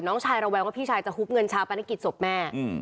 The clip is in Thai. น้องชายระแวงว่าพี่ชายจะฮุบเงินชาปนกิจศพแม่